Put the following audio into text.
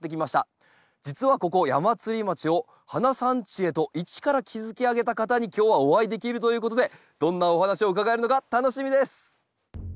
実はここ矢祭町を花産地へと一から築き上げた方に今日はお会いできるということでどんなお話を伺えるのか楽しみです。